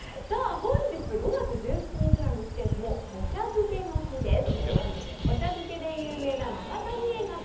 本日５月１７日なんですけれども、お茶漬けの日です。